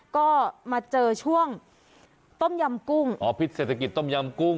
ก็มาเจอช่วงต้มยำกุ้งอ๋อพิษเศรษฐกิจต้มยำกุ้ง